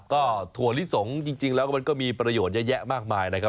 ก็ถั่วลิสงจริงแล้วมันก็มีประโยชน์เยอะแยะมากมายนะครับ